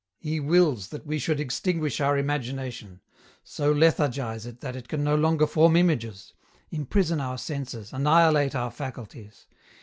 " He wills that we should extinguish our imagination — so lethargize it that it can no longer form images — imprison our senses, annihilate our faculties.